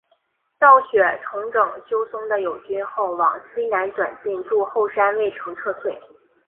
道雪重整休松的友军后往西南转进筑后山隈城撤退。